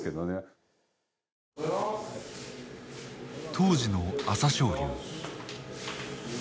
当時の朝青龍。